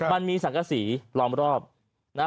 มันมีสังกษีล้อมรอบนะฮะ